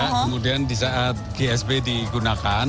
kemudian disaat gsb digunakan